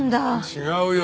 違うよ。